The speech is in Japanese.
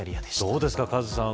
どうですかカズさん